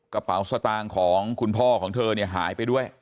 กระเป๋าสตางค์ของคุณพ่อของเธอเนี่ยหายไปด้วย